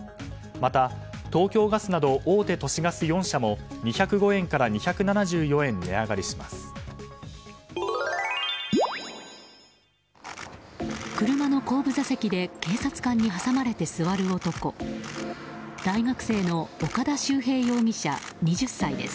また、東京ガスなど大手都市ガス４社も２０５円から２７４円値上がりします。